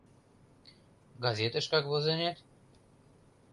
Газетышкак возынет?